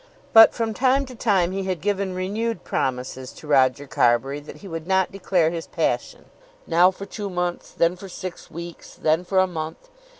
But from time to time he had given renewed promises to Roger Carbury that he would not declare his passion, now for two months, then for six weeks, then for a month.